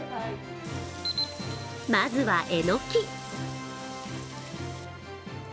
まずは、えのき。